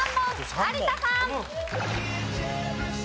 有田さん。